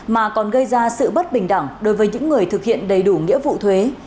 mà còn gây ra sự bất bình đẳng đối với những người thực hiện đầy đủ nghĩa vụ thuế